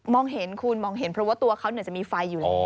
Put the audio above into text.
เห็นคุณมองเห็นเพราะว่าตัวเขาจะมีไฟอยู่แล้ว